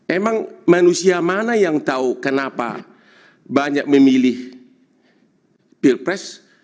emang manusia mana yang tahu kenapa banyak memilih pilpres